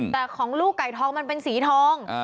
แต่ของลูกไก่ทองมันเป็นสีทอง